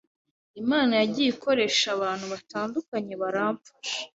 Imana yagiye ikoresha abantu batandukanye baramfasha